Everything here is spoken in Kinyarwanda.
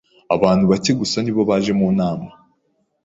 Abantu bake gusa ni bo baje mu nama.